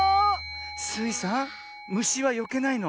スイさんむしはよけないの。